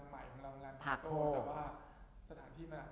แต่สถานที่เป็นอาจไม่พอ